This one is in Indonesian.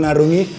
aku mau ke rumah